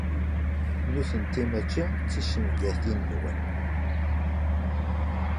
Nutenti mačči d ticengatin-nwen.